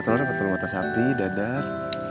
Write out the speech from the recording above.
telurnya buat telur matah sapi dadar